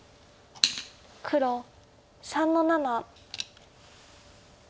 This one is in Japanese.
黒３の七。